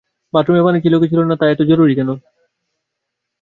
বাথরুমে পানি ছিল কি ছিল না, তা এত জরুরি কেন?